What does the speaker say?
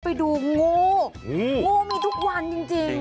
ไปดูงูงูมีทุกวันจริง